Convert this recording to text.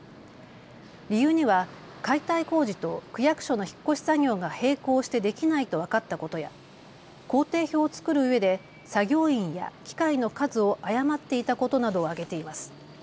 理由には解体工事と区役所の引っ越し作業が並行してできないと分かったことや工程表を作るうえで作業員や機械の数を誤っていたことなどを挙げています。